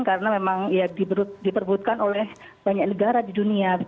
karena memang diperbutkan oleh banyak negara di dunia